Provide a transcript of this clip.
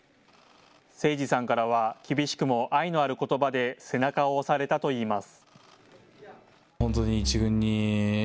清司さんからは厳しくも愛のあることばで背中を押されたといいます。